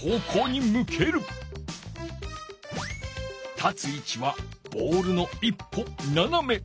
立つ位置はボールの一歩ななめ後ろ。